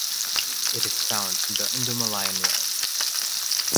It is found in the Indomalayan realm.